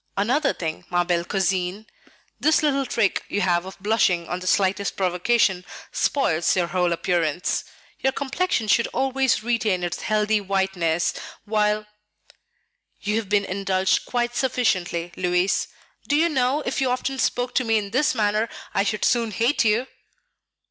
Another thing, ma belle cousine, this little trick you have of blushing on the slightest provocation spoils your whole appearance. Your complexion should always retain its healthy whiteness, while " "You have been indulged quite sufficiently, Louis. Do you know, if you often spoke to me in this manner I should soon hate you?"